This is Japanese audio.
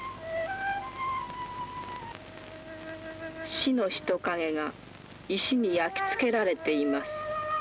死の人影が石に焼きつけられています。